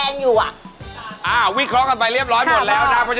เอาแล้ว